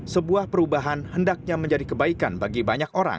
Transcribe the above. sebuah perubahan hendaknya menjadi kebaikan bagi banyak orang